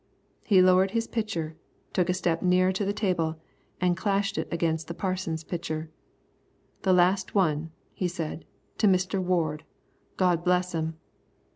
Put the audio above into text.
He lowered his pitcher, took a step nearer to the table, and clashed it against the Parson's pitcher. "The last one," he said, "to Mister Ward, God bless 'im!"